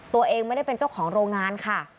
ตัวเองไม่ได้เป็นเจ้าของโรงงานค่ะ